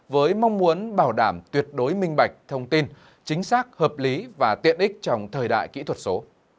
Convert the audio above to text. với mong muốn bảo đảm tuyệt đối minh bạch thông tin chính xác hợp lý và tiện ích trong thời đại kỹ thuật số